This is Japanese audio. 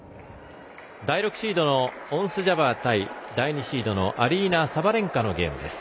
第６シードのオンス・ジャバー対第２シードのアリーナ・サバレンカのゲームです。